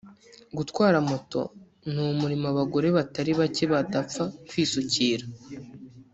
Gutwara moto ni umurimo abagore batari bacye badapfa kwisukira